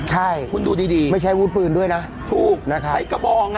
ใช่คุณดูดีดีไม่ใช้วู้ดปืนด้วยน่ะถูกใช้กระบองน่ะ